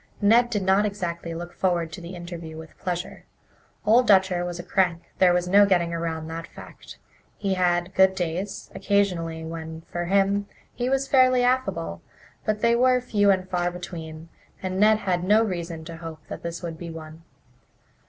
Ned did not exactly look forward to the interview with pleasure. Old Dutcher was a crank there was no getting around that fact. He had "good days" occasionally when, for him, he was fairly affable, but they were few and far between, and Ned had no reason to hope that this would be one.